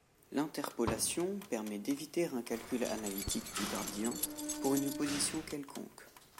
L'interpolation permet d'éviter un calcul analytique du gradient pour une position quelconque.